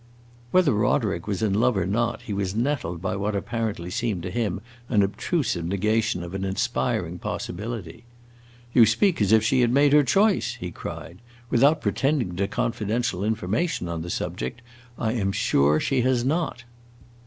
Whether Roderick was in love or not, he was nettled by what apparently seemed to him an obtrusive negation of an inspiring possibility. "You speak as if she had made her choice!" he cried. "Without pretending to confidential information on the subject, I am sure she has not."